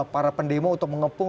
para pendemo untuk mengepung